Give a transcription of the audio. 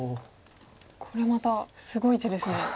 これまたすごい手ですね。